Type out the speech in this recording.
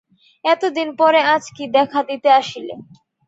এতদিন পরে আজ কি দেখা দিতে আসিলে।